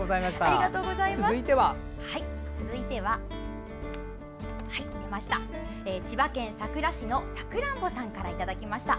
続いては千葉県佐倉市のさくらんぼさんからいただきました。